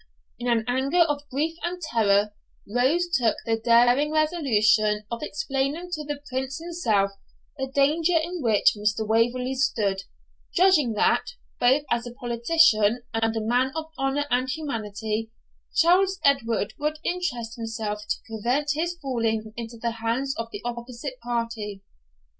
In an agony of grief and terror, Rose took the daring resolution of explaining to the Prince himself the danger in which Mr. Waverley stood, judging that, both as a politician and a man of honour and humanity, Charles Edward would interest himself to prevent his falling into the hands of the opposite party.